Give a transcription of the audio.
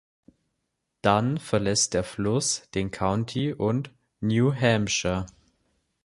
Dann verlässt der Fluss den County und New Hampshire.